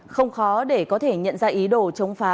không khó để có thể nhận ra ý đồ chống phá